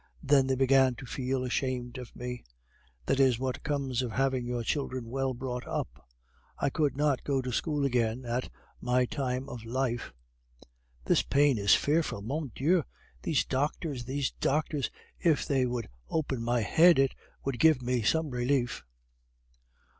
Then they began to feel ashamed of me. That is what comes of having your children well brought up. I could not go to school again at my time of life. (This pain is fearful! Mon Dieu! These doctors! these doctors! If they would open my head, it would give me some relief!)